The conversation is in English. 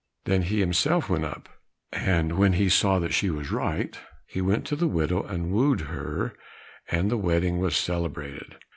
Then he himself went up, and when he saw that she was right, he went to the widow and wooed her, and the wedding was celebrated.